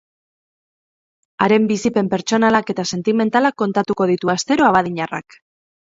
Haren bizipen pertsonalak eta sentimentalak kontatuko ditu astero abadiñarrak.